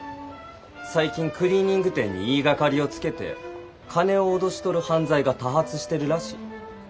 最近クリーニング店に言いがかりをつけて金を脅し取る犯罪が多発してるらしい。